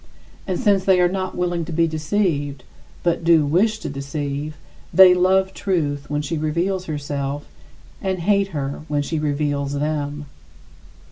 And since they are not willing to be deceived, but do wish to deceive, they love truth when she reveals herself and hate her when she reveals them.